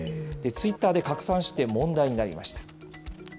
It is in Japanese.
ツイッターで拡散して問題になりました。